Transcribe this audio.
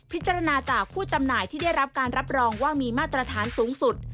พิจารณาจากผู้จำหน่ายที่ได้รับการรับรองว่ามีมาตรฐานสูงสุด